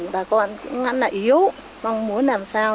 bà con cũng hẵng lại yếu mong muốn làm sao